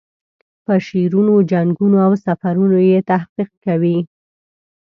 په شعرونو، جنګونو او سفرونو یې تحقیق کوي.